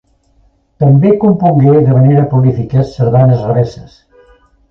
També compongué de manera prolífica sardanes revesses.